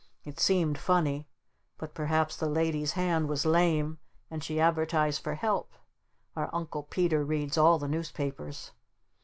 It seemed funny. But perhaps the Lady's hand was lame and she advertised for help. Our Uncle Peter reads all the newspapers.